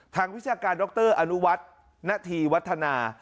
วิชาการดรอนุวัฒนธีวัฒนา